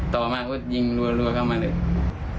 จะขัดแย้งกับร้านไหนหรือเปล่า